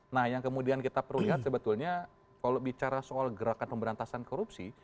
nah yang kemudian kita perlu lihat sebetulnya kalau bicara soal gerakan pemberantasan korupsi